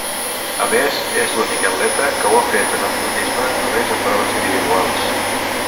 A més, és l'únic atleta que ho ha fet en atletisme només en proves individuals.